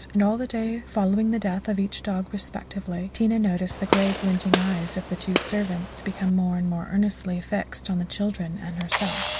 And on the day following the death of each dog respectively, Tina noticed the grey glinting eyes of the two servants become more and more earnestly fixed on the children and herself.